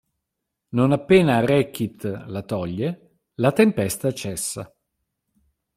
Non appena Rekkit la toglie, la tempesta cessa.